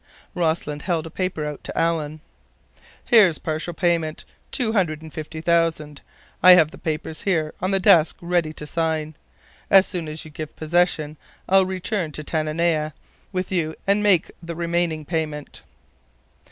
Rossland held a paper out to Alan. "Here's partial payment—two hundred and fifty thousand. I have the papers here, on the desk, ready to sign. As soon as you give possession, I'll return to Tanana with you and make the remaining payment."